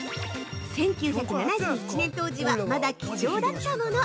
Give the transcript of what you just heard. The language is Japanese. １９７１年当時はまだ貴重だったもの。